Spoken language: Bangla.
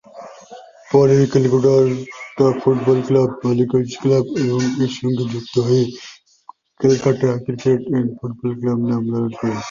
পরে ক্যালকাটা ফুটবল ক্লাব ও বালিগঞ্জ ক্লাব এই ক্লাবের সঙ্গে সংযুক্ত হয়ে Calcutta cricket and football club নাম ধারণ করে।